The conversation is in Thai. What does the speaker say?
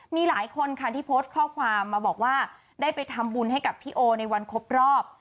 มีหลายคนค่ะที่โพสต์ข้อความมาบอกว่าได้ไปทำบุญให้กับพี่โอในวันครบรอบ